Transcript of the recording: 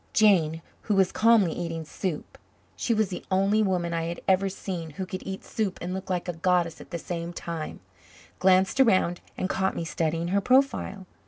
Jane, who was calmly eating soup she was the only woman I had ever seen who could eat soup and look like a goddess at the same time glanced around and caught me studying her profile.